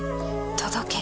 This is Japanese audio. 届け。